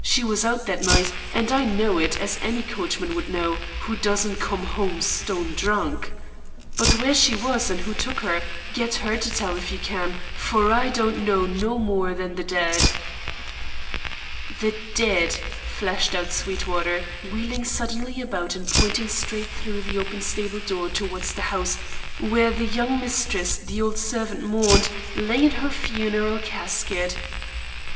"She was out that night, and I know it, as any coachman would know, who doesn't come home stone drunk. But where she was and who took her, get her to tell if you can, for I don't know no more 'n the dead." "The dead!" flashed out Sweetwater, wheeling suddenly about and pointing straight through the open stable door towards the house where the young mistress the old servant mourned, lay in her funeral casket.